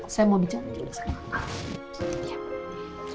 saya mau bicara